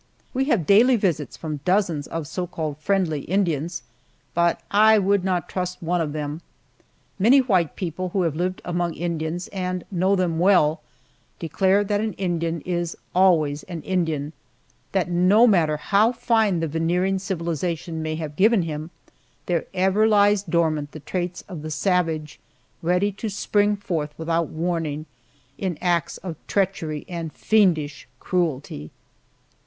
We have daily visits from dozens of so called friendly Indians, but I would not trust one of them. Many white people who have lived among Indians and know them well declare that an Indian is always an Indian; that, no matter how fine the veneering civilization may have given him, there ever lies dormant the traits of the savage, ready to spring forth without warning in acts of treachery and fiendish cruelty.